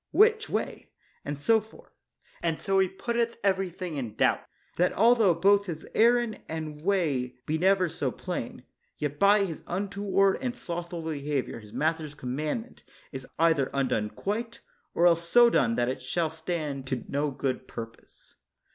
"Which way?" and so forth; and so he putteth every thing in doubt, that altho both his errand and way be never so plain, yet by his untoward and slothful behavior his master's commandment is either undone quite, or else so done that it shall stand to no good purpose.